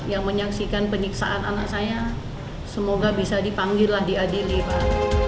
yang menyaksikan penyiksaan anak saya semoga bisa dipanggil lah diadili pak